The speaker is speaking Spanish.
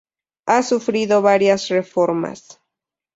Ha sufrido varias reformas.